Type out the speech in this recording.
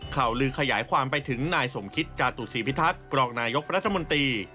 ข่าวลือขยายความไปถึงนายสมคิตจาตุศีพิทักษ์รองนายกรัฐมนตรี